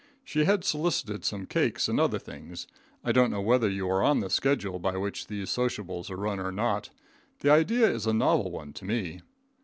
She had solicited some cakes and other things. I don't know whether you are on the skedjule by which these sociables are run or not. The idea is a novel one to me.